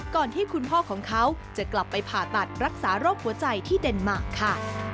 ที่คุณพ่อของเขาจะกลับไปผ่าตัดรักษาโรคหัวใจที่เดนมาร์กค่ะ